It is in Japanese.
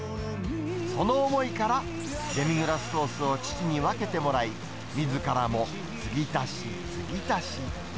その思いから、デミグラスソースを父に分けてもらい、みずからも継ぎ足し継ぎ足し。